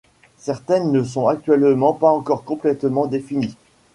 Certaine ne sont actuellement pas encore complètement définies.